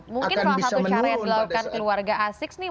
mungkin salah satu cara yang dilakukan keluarga asik nih